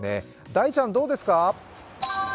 大ちゃんどうですか？